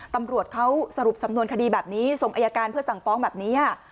ตำรวจเขาสรุปสำนวนคดีแบบนี้ส่งอายการเพื่อสั่งฟ้องแบบนี้